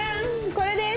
これです！